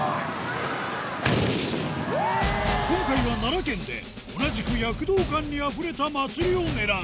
今回は奈良県で同じく躍動感にあふれた祭りを狙う。